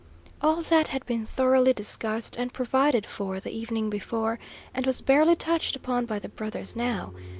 All that had been thoroughly discussed and provided for the evening before, and was barely touched upon by the brothers now.